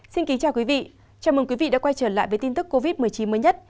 xin kính chào quý vị chào mừng quý vị đã quay trở lại với tin tức covid một mươi chín mới nhất